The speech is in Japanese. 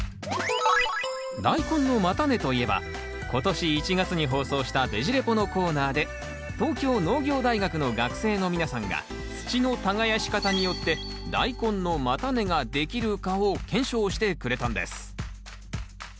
ダイコンの叉根といえば今年１月に放送したベジ・レポのコーナーで東京農業大学の学生の皆さんが土の耕し方によってダイコンの叉根ができるかを検証してくれたんです。